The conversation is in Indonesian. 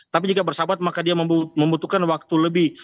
tapi jika bersahabat maka dia membutuhkan waktu lebih